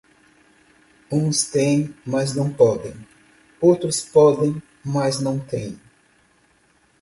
Uns têem mas não podem, outros podem mas não têem.